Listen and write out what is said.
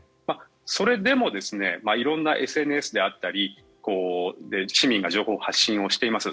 それでも色んなＳＮＳであったり市民が情報を発信しています。